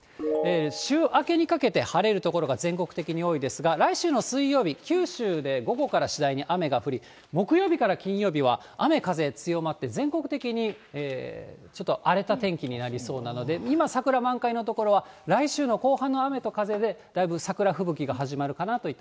週明けにかけて、晴れる所が全国的に多いですが、来週の水曜日、九州で午後から次第に雨が降り、木曜日から金曜日は雨、風強まって、全国的にちょっと荒れた天気になりそうなので、今、桜満開の所は、リセッシュータイム！